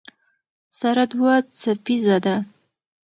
سره دوه څپیزه ده.